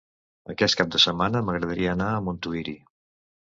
Aquest cap de setmana m'agradaria anar a Montuïri.